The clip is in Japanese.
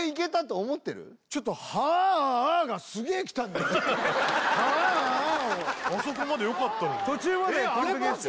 ちょっと「ハーアアー」をあそこまでよかったのに途中まで完璧でしたよ